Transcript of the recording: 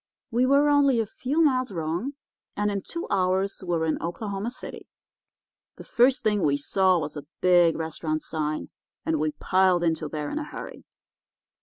We were only a few miles wrong, and in two hours we were in Oklahoma City. The first thing we saw was a big restaurant sign, and we piled into there in a hurry.